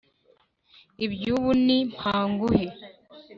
iby'ubu ni mpa nguhe